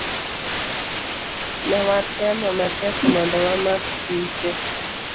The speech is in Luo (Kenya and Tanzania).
Ne watemo matek mondo wamak piche